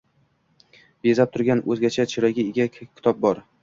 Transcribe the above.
“Bezab” turgan o’zgacha chiroyga ega kitob bor.